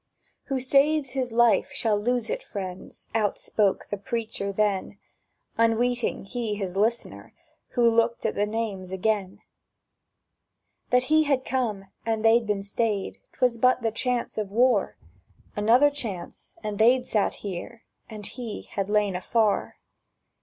—"Who saves his life shall lose it, friends!" Outspake the preacher then, Unweeting he his listener, who Looked at the names again. That he had come and they'd been stayed, 'Twas but the chance of war: Another chance, and they'd sat here, And he had lain afar.